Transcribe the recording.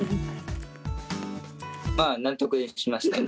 まあ納得しました。